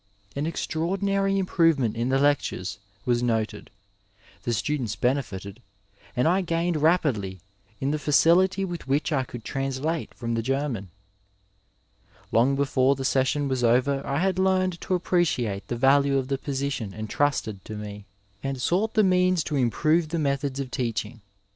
An extraordin ary improvement in the lectures was noticed ; the students benefited, and I gained rapidly in the facility with which I could translate from the German; Long before the session was over I had learned to appre ciate the value of the position entrusted to me, and sought the means to improve the methods of teaching.